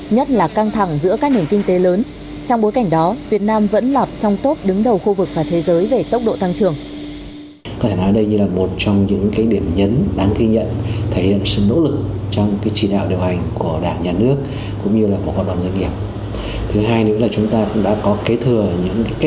nhất là căng thẳng giữa các nền kinh tế lớn trong bối cảnh đó việt nam vẫn lọt trong top đứng đầu khu vực và thế giới về tốc độ tăng trưởng